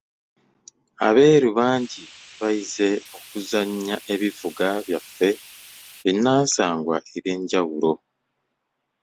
Abeeru bangi bayize okuzannya ebivuga byaffe binnansangwa eby'enjawulo.